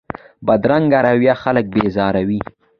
بدرنګه رویه خلک بېزاروي